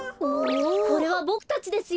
これはボクたちですよ。